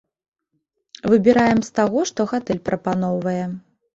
Выбіраем з таго, што гатэль прапаноўвае.